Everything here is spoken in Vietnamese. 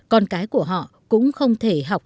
con cái của họ cũng không thể học